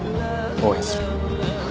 応援する。